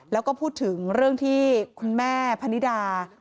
แล้วก็พูดถึงเรื่องที่คุณแม่พนิดา